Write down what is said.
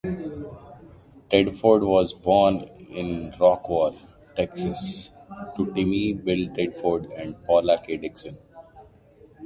Tedford was born in Rockwall, Texas, to Timmy Bill Tedford and Paula Kay Dixon.